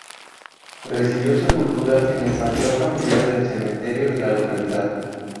Recibió sepultura en el panteón familiar del cementerio de la localidad.